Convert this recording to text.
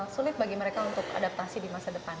sulit bagi mereka untuk adaptasi di masa depan